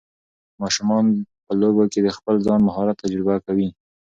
ماشومان په لوبو کې د خپل ځان مهارت تجربه کوي.